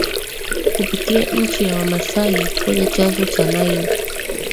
Kupitia nchi ya Wamasai kwenye chanzo cha Nile